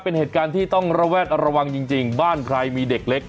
เป็นเหตุการณ์ที่ต้องระแวดระวังจริงบ้านใครมีเด็กเล็ก